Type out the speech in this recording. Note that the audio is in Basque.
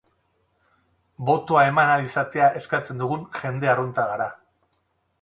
Botoa eman ahal izatea eskatzen dugun jende arrunta gara.